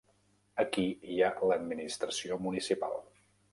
Aquí hi ha l'administració municipal.